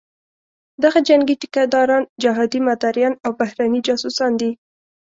دغه جنګي ټیکه داران، جهادي مداریان او بهرني جاسوسان دي.